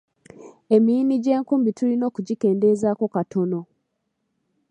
Emiyini gy’enkumbi tulina okugikendeezaako katono.